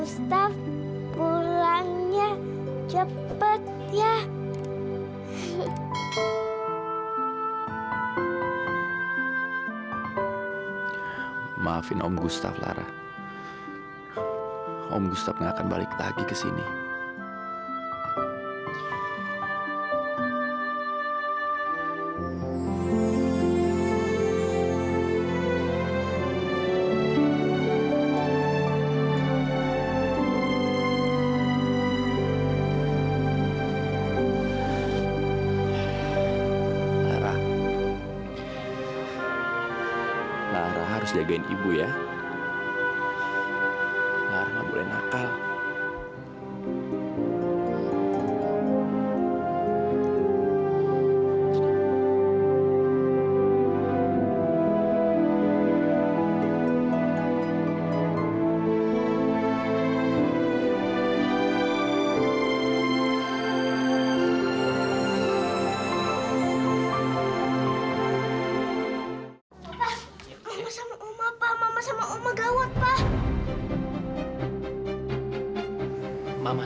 sampai jumpa di video selanjutnya